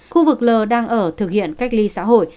khu vực l đang ở thực hiện cách ly xã hội